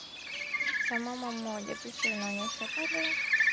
cha mama mmoja na picha inaonyeshwa pale